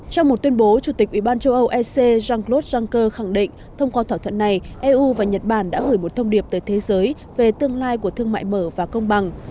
trong một tuyên bố chủ tịch ủy ban châu âu ec jean claude juncker khẳng định thông qua thỏa thuận này eu và nhật bản đã gửi một thông điệp tới thế giới về tương lai của thương mại mở và công bằng